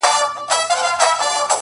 په ښکارپورۍ سترگو کي، راته گلاب راکه،